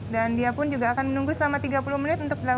dan dia pun juga akan menunggu selama tiga puluh menit untuk disuntik